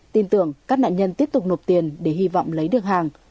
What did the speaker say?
tin tưởng các nạn nhân tiếp tục nộp tiền để hy vọng lấy được hàng